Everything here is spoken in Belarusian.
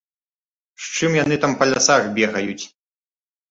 З чым яны там па лясах бегаюць?